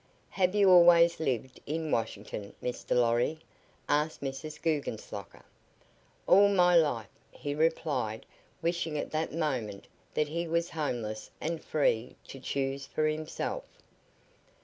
"Have you always lived in Washington, Mr. Lorry?" asked Mrs. Guggenslocker. "All my life," he replied wishing at that moment that he was homeless and free to choose for himself.